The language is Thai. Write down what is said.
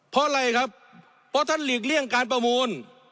เพราะอะไรครับเพราะท่านหลีกเลี่ยงการประมูล